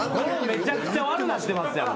めちゃくちゃ悪なってますやん。